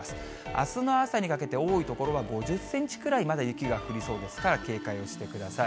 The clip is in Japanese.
あすの朝にかけて、多い所は５０センチくらいまで雪が降りそうですから、警戒してください。